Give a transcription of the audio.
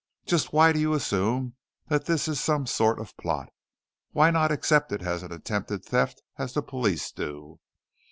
"Just why do you assume that this is some sort of plot? Why not accept it as attempted theft as the police do?"